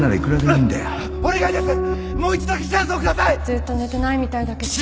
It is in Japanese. ずっと寝てないみたいだけど